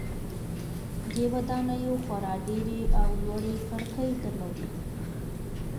دې ودانیو خورا ډیرې او لویې کړکۍ درلودې.